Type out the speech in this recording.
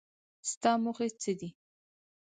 ستا موخې څه دي ؟